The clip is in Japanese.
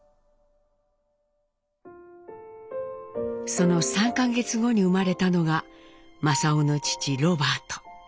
その３か月後に生まれたのが正雄の父ロバート。